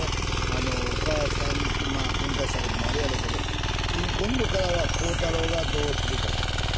あのおかあさんとけんかしたこともあるやろうけど今度からは浩太朗がどうするかですよ。